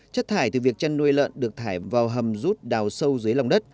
chất thải từ việc chăn nuôi lợn được thải vào hầm rút đào sâu dưới lòng đất